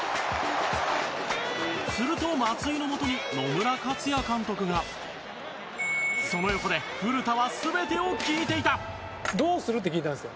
すると、松井のもとに野村克也監督がその横で古田は全てを聞いていた古田：「どうする？」って聞いたんですよ。